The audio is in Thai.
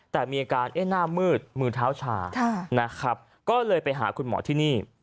แต่มีอาการหน้ามืดมือเท้าชานะครับก็เลยไปหาคุณหมอที่นี่